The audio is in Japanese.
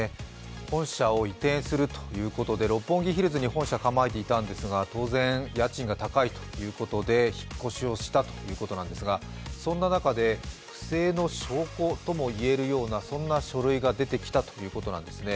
本社を移転するということで六本木ヒルズに本社を構えていたんですが当然家賃が高いということで引っ越しをしたということなんですが、そんな中で不正の証拠とも言えるような書類が出てきたということなんですね。